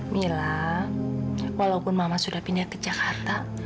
mila walaupun mama sudah pindah ke jakarta